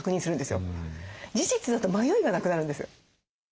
事実だと迷いがなくなるんです。